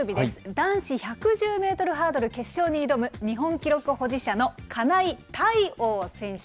男子１１０メートルハードル決勝に挑む日本記録保持者の金井大旺選手。